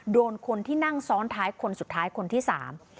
โดนคนที่นั่งซ้อนท้ายคนสุดท้ายคนที่สาม